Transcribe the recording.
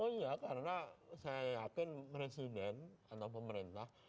oh iya karena saya yakin presiden atau pemerintah